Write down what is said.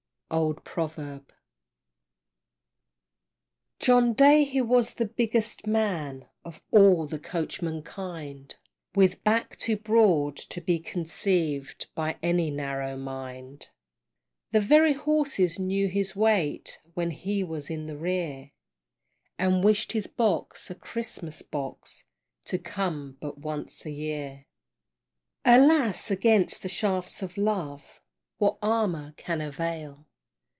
Old Proverb. John Day he was the biggest man Of all the coachman kind, With back too broad to be conceived By any narrow mind. The very horses knew his weight, When he was in the rear, And wished his box a Christmas box, To come but once a year. Alas! against the shafts of love, What armor can avail?